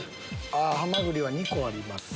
ハマグリは２個あります。